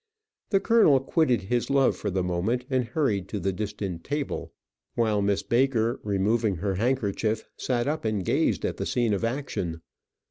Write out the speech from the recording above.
The colonel quitted his love for the moment, and hurried to the distant table; while Miss Baker, removing her handkerchief, sat up and gazed at the scene of action.